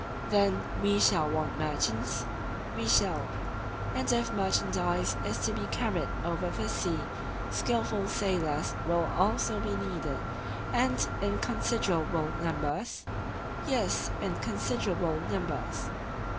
Then we shall want merchants? We shall. And if merchandise is to be carried over the sea, skilful sailors will also be needed, and in considerable numbers? Yes, in considerable numbers.